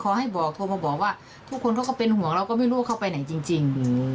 ก็คือขอให้บอกโทรพบอกว่าทุกคนเขาก็เป็นห่วงแล้วก็ไม่รู้เขาไปไหนจริง